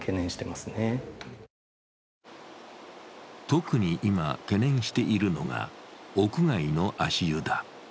特に今、懸念しているのが屋外の足湯だ。